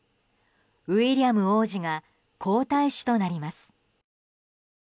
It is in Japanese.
ウィリアム王子が皇太子となります。